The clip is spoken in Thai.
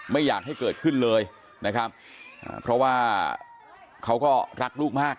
ไม่อยากให้เกิดขึ้นเลยนะครับเพราะว่าเขาก็รักลูกมาก